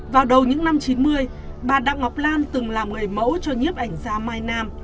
vào đầu những năm chín mươi bà đặng ngọc lan từng làm người mẫu cho nhiếp ảnh gia mai nam